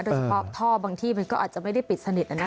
โดยเฉพาะท่อบางที่มันก็อาจจะไม่ได้ปิดสนิท